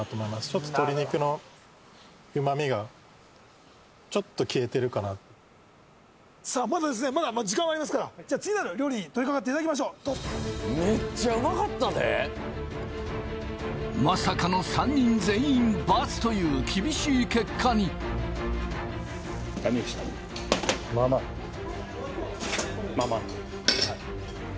ちょっと鶏肉のうまみがちょっと消えてるかなさあまだですねまだ時間はありますからじゃあ次なる料理に取りかかっていただきましょうどうぞまさかの３人全員×という厳しい結果にまあまあ？